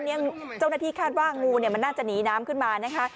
เจ้าหน้าที่คาดว่างูมันน่าจะหนีน้ำขึ้นมานะคะ